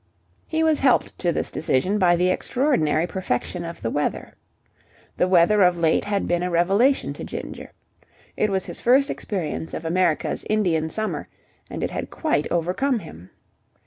He was helped to this decision by the extraordinary perfection of the weather. The weather of late had been a revelation to Ginger. It was his first experience of America's Indian Summer, and it had quite overcome him.